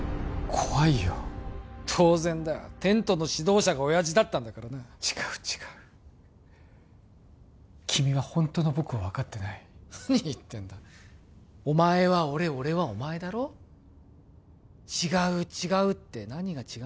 怖いよ当然だテントの指導者が親父だったんだからな違う違う君はほんとの僕を分かってない何言ってんだお前は俺俺はお前だろ違う違うって何が違うんだ？